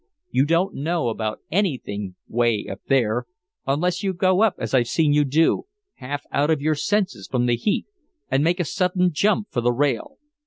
You don't know about anything way up there unless you go up as I've seen you do, half out of your senses from the heat, and make a sudden jump for the rail.